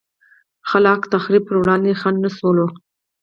خلا ق تخریب پر وړاندې خنډ نه شول.